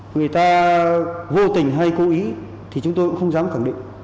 người ta vô tình hay cố ý thì chúng tôi cũng không dám khẳng định